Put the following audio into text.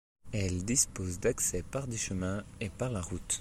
Elle dispose d'accès par des chemins et par la route.